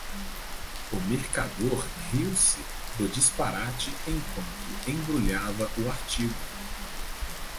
O mercador riu-se do disparate enquanto embrulhava o artigo